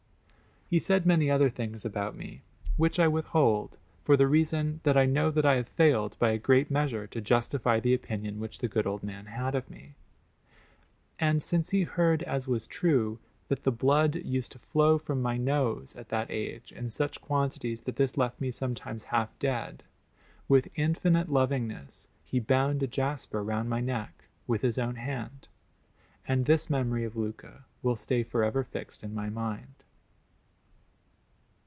He said many other things about me, which I withhold, for the reason that I know that I have failed by a great measure to justify the opinion which the good old man had of me. And since he heard, as was true, that the blood used to flow from my nose at that age in such quantities that this left me sometimes half dead, with infinite lovingness he bound a jasper round my neck with his own hand; and this memory of Luca will stay for ever fixed in my mind.